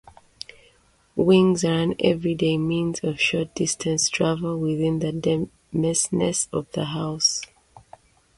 Wings are an everyday means of short-distance travel within the demesnes of the House.